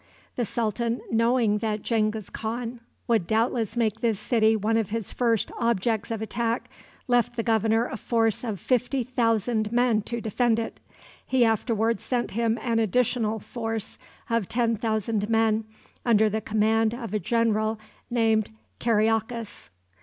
The sultan, knowing that Genghis Khan would doubtless make this city one of his first objects of attack, left the governor a force of fifty thousand men to defend it. He afterward sent him an additional force of ten thousand men, under the command of a general named Kariakas.